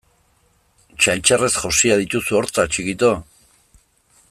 Txantxarrez josia dituzu hortzak txikito!